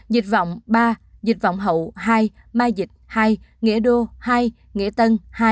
dịch vọng ba dịch vọng hậu hai mai dịch hai nghĩa đô hai nghĩa tân